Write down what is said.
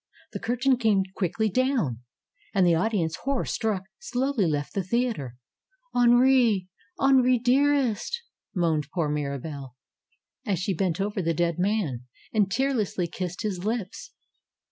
The curtain came quickly down. And the audience, horror struck, slowly left the theater. '^Henri! Henri, dearest!'' moaned poor Mirabelle, 118 MIRABELLE as she bent over the dead man, and tearlessly kissed his lips.